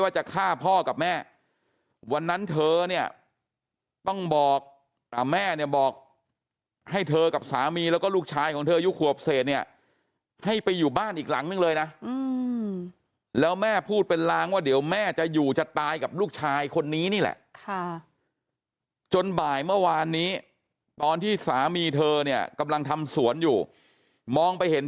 โอ้โฮโอ้โฮโอ้โฮโอ้โฮโอ้โฮโอ้โฮโอ้โฮโอ้โฮโอ้โฮโอ้โฮโอ้โฮโอ้โฮโอ้โฮโอ้โฮโอ้โฮโอ้โฮโอ้โฮโอ้โฮโอ้โฮโอ้โฮโอ้โฮโอ้โฮโอ้โฮโอ้โฮโอ้โฮโอ้โฮโอ้โฮโอ้โฮโอ้โฮโอ้โฮโอ้โฮโอ้โ